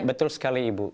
betul sekali ibu